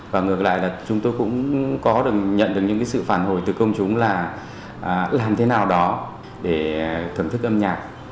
và ngược lại là chúng tôi cũng có nhận được những sự phản hồi từ công chúng là làm thế nào đó để thưởng thức âm nhạc